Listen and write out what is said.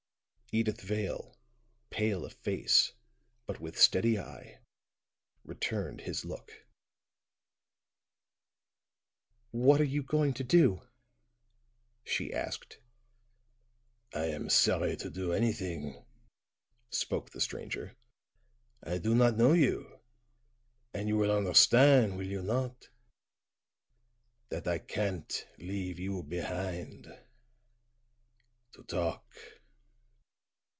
Edyth Vale, pale of face, but with steady eye, returned his look. "What are you going to do?" she asked. "I am sorry to do anything," spoke the stranger. "I do not know you, and you will onderstan', will you not, that I can't leave you behind to talk?"